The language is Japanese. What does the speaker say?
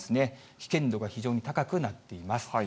危険度が非常に高くなっています。